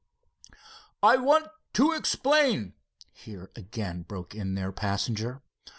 "I want to explain," here again broke in their passenger.